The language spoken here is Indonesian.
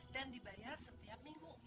dan dibayar setiap minggu